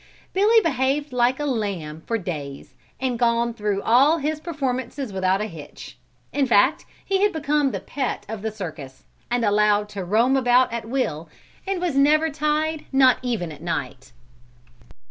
Billy had behaved like a lamb for days and gone through all his performances without a hitch, in fact he had become the pet of the circus, and allowed to roam about at will and was never tied not even at night.